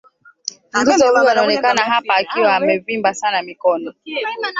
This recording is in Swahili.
mtoto huyo anaonekana hapa akiwa amevimba sana mikono